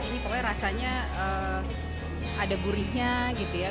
ini pokoknya rasanya ada gurihnya gitu ya